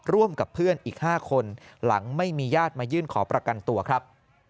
ร่วมกับเพื่อนอีก๕คนหลังไม่มีญาติมายื่นขอประกันตัวครับ